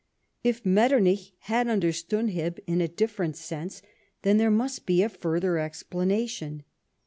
If Metternich had understood him in a different sense, then there must be a further explanation.